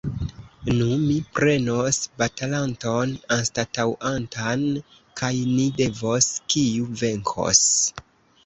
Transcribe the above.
Nun mi prenos batalanton anstataŭantan, kaj ni vidos, kiu venkos!